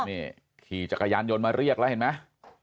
นี่ขี่จักรยานยนต์มาเรียกแล้วเห็นไหม